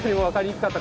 よかった。